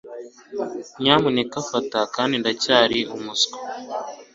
nyamuneka fata .. kandi ndacyari umuswa